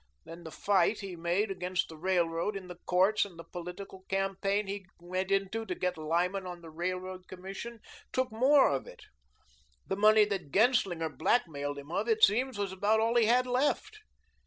Then the fight he made against the Railroad in the Courts and the political campaign he went into, to get Lyman on the Railroad Commission, took more of it. The money that Genslinger blackmailed him of, it seems, was about all he had left.